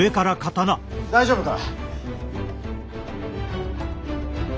大丈夫か？